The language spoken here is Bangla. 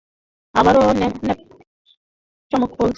আজও ও ন্যাপকিনকে চামচ বলছে।